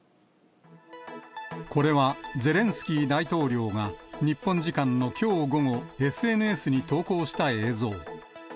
これはゼレンスキー大統領が日本時間のきょう午後、ＳＮＳに投稿した映像。